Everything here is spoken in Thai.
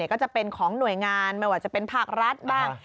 ก็จะเป็นของหน่วยงานไม่ว่าจะเป็นภาครัฐบ้าง